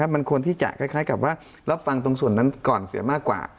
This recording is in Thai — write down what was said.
มันควรที่จะคล้ายกับว่ารับฟังตรงส่วนนั้นก่อนเสียมากกว่า